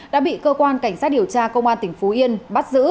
đã bị cơ quan cảnh sát điều tra công an tỉnh phú yên bắt giữ